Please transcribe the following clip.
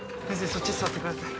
そっちに座ってください